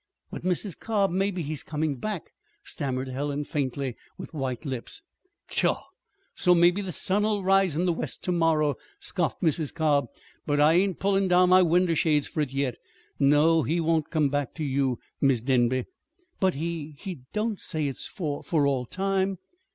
"But, Mrs. Cobb, maybe he's coming back," stammered Helen faintly, with white lips. "Pshaw! So maybe the sun'll rise in the west termorrer," scoffed Mrs. Cobb; "but I ain't pullin' down my winder shades for it yet. No, he won't come back ter you, Mis' Denby." "But he he don't say it's for for all time."